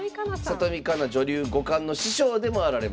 里見香奈女流五冠の師匠でもあられます。